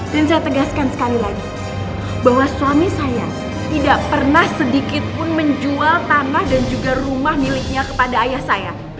dan saya tegaskan sekali lagi bahwa suami saya tidak pernah sedikit pun menjual tanah dan juga rumah miliknya kepada ayah saya